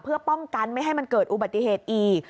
เพื่อป้องกันไม่ให้มันเกิดอุบัติเหตุอีก